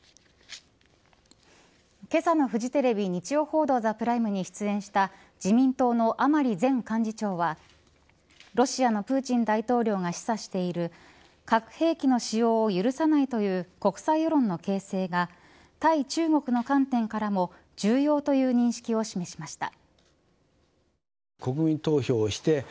けさのフジテレビ日曜報道ＴＨＥＰＲＩＭＥに出演した自民党の甘利前幹事長はロシアのプーチン大統領が示唆している核兵器の使用を許さないという国際世論の形成が対中国の観点からも重要という認識を示しました。